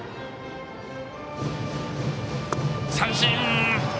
三振。